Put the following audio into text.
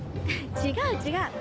違う違う。